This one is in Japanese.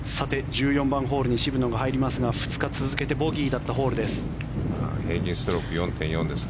１４番ホールに渋野が入りますが２日続けてボギーだったホールです。